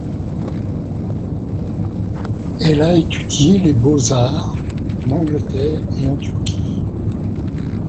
Elle a étudié les Beaux Arts en Angleterre et en Turquie.